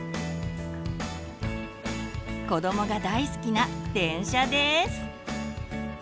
子どもが大好きな電車です。